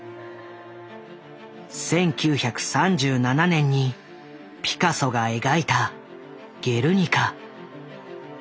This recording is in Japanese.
１９３７年にピカソが描いた「ゲルニカ」。